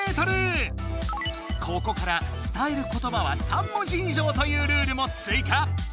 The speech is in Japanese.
ここからつたえることばは３文字以上というルールも追加。